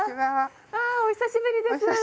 あお久しぶりです。